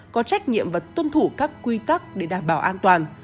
có trách nhiệm và tuân thủ các quy tắc để đảm bảo an toàn